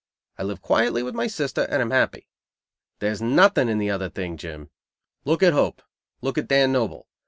I live quietly with my sister and am happy. There's nothing in the other thing, Jim. Look at Hope. Look at Dan Noble.